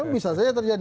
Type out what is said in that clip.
bisa saja terjadi